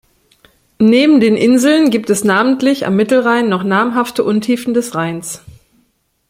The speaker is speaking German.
Neben den Inseln gibt es namentlich am Mittelrhein noch namhafte Untiefen des Rheins.